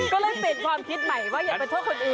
ก็เลยเปลี่ยนความคิดใหม่ว่าอย่าไปโทษคนอื่น